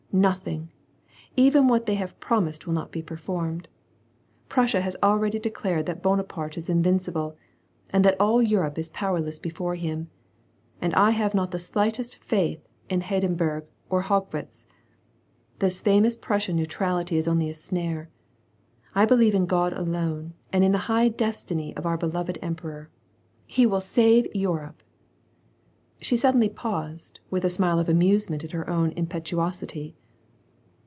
Nothing ! Even what they have prom ised will not be performed. Prussia has already declared that Bonaparte is invincible, and that all Europe is powerless before him. — And I have not the slightest faith in Har denberg or in Haugwitz. This famous Prussian neutrality is only a snare. I believe in God alone, and in the high destiny of our beloved emperor. He will save Europe !"— She suddenly paused, with a smile of amusement at her own impetuosity.